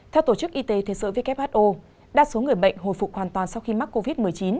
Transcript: theo tổ chức y tế thế giới who đa số người bệnh hồi phục hoàn toàn sau khi mắc covid một mươi chín